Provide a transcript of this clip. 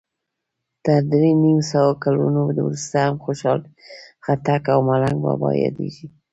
تر درې نیم سوو کلونو وروسته هم خوشال خټک او ملنګ بابا یادیږي.